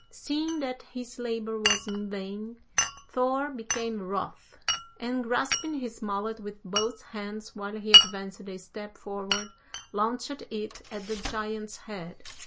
Seeing that his labour was in vain, Thor became wroth, and grasping his mallet with both hands while he advanced a step forward, launched it at the giant's head.